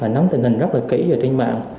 nắm tình hình rất là kỹ trên mạng